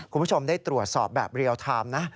คุณผู้ชมได้ตรวจสอบแบบเรียลไทม์นะ